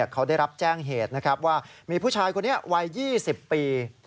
เขาได้รับแจ้งเหตุนะครับว่ามีผู้ชายคนนี้วัย๒๐ปี